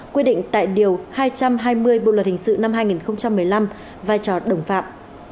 quy định tại điều hai trăm hai mươi bộ luật hình sự năm hai nghìn một mươi năm vai trò đồng phạm